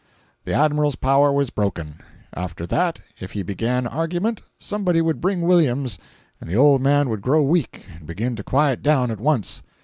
The Admiral's power was broken. After that, if he began argument, somebody would bring Williams, and the old man would grow weak and begin to quiet down at once.